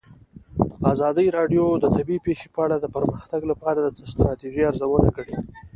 ازادي راډیو د طبیعي پېښې په اړه د پرمختګ لپاره د ستراتیژۍ ارزونه کړې.